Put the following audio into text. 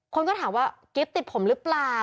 คนก็ถามว่ากิ๊บติดผมหรือเปล่า